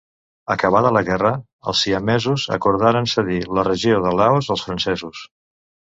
Acabada la guerra, els siamesos acordaren cedir la regió de Laos als francesos.